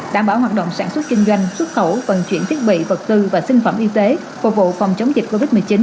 đảm bảo hoạt động sản xuất kinh doanh xuất khẩu vận chuyển thiết bị vật tư và sinh phẩm y tế phục vụ phòng chống dịch covid một mươi chín